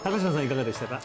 いかがでしたか？